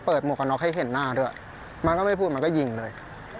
หมวกกันน็อกให้เห็นหน้าด้วยมันก็ไม่พูดมันก็ยิงเลย